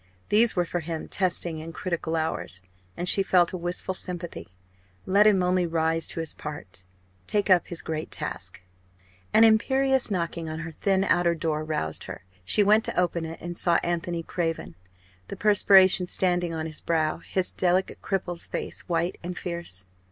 These were for him testing and critical hours, and she felt a wistful sympathy. Let him only rise to his part take up his great task. An imperious knocking on her thin outer door roused her. She went to open it and saw Anthony Craven, the perspiration standing on his brow, his delicate cripple's face white and fierce.